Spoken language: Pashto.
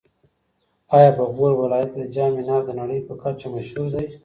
ایا په غور ولایت کې د جام منار د نړۍ په کچه مشهور دی؟